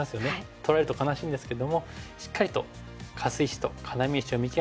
取られると悲しいんですけどもしっかりとカス石と要石を見極めて。